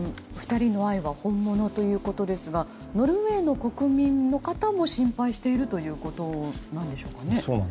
２人の愛は本物ということですがノルウェーの国民の方も心配しているということでしょうかね。